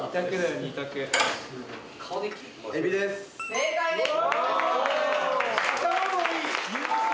正解です。